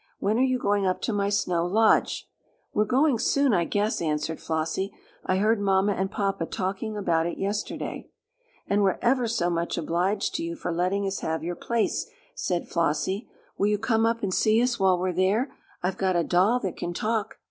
"When are you going up to my Snow Lodge?" "We're going soon, I guess," answered Flossie. "I heard mamma and papa talking about it yesterday." "And we're ever so much obliged to you for letting us have your place," said Flossie. "Will you come up and see us while we're there? I've got a doll that can talk."